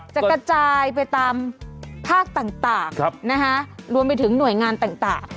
จะกระจายไปตามภาคต่างรวมไปถึงหน่วยงานต่าง